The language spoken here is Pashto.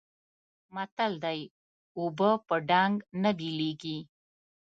متل دی: اوبه په ډانګ نه بېلېږي.